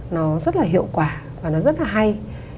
nó rất là hiệu quả và nó rất là hay